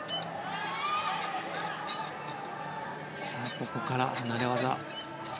ここから離れ技。